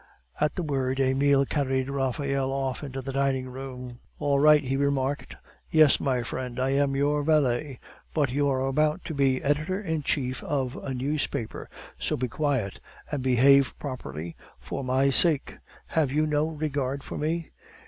At the word, Emile carried Raphael off into the dining room. "All right," he remarked; "yes, my friend, I am your valet. But you are about to be editor in chief of a newspaper; so be quiet, and behave properly, for my sake. Have you no regard for me?"